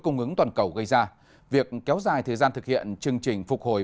hướng toàn cầu gây ra việc kéo dài thời gian thực hiện chương trình phục hồi